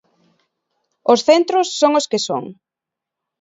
Os centros son os que son.